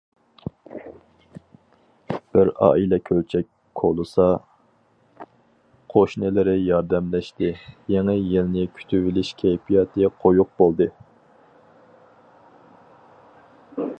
بىر ئائىلە كۆلچەك كولىسا، قوشنىلىرى ياردەملەشتى، يېڭى يىلنى كۈتۈۋېلىش كەيپىياتى قويۇق بولدى.